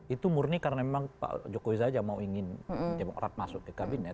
itu murni karena memang pak jokowi saja mau ingin demokrat masuk ke kabinet